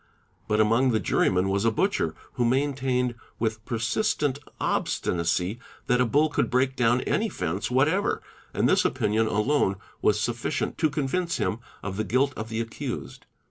But among the | jurymen was a butcher, who maintained with persistent obstinacy that a bull could break down any fence whatever and this opinion alone was sufficient to convince him of the guilt of the accused.